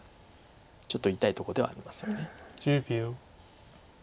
ちょっと痛いところではありますよね。